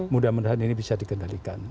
mudah mudahan ini bisa dikendalikan